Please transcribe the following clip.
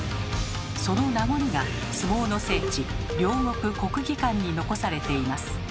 その名残が相撲の聖地両国国技館に残されています。